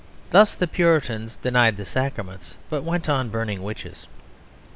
Thus the Puritans denied the sacraments, but went on burning witches.